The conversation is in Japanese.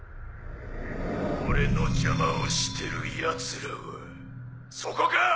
俺の邪魔をしてるやつらはそこか！？